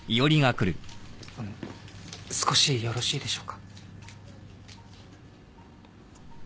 あの少しよろしいでしょうか。